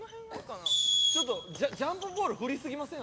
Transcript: ちょっとジャンプボール不利すぎません？